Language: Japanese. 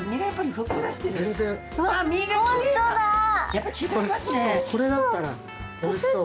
そうこれだったらおいしそう。